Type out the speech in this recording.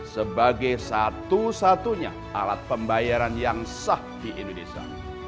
sebagai satu satunya alat pembayaran yang sah di indonesia